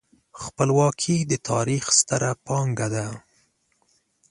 خپلواکي د تاریخ ستره پانګه ده.